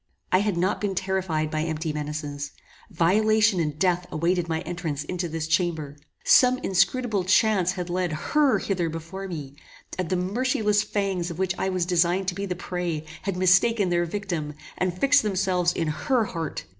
I had not been terrified by empty menaces. Violation and death awaited my entrance into this chamber. Some inscrutable chance had led HER hither before me, and the merciless fangs of which I was designed to be the prey, had mistaken their victim, and had fixed themselves in HER heart.